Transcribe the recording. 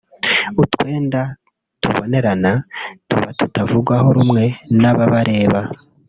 utwenda tubonerana tuba tutavugwaho rumwe n’ababareba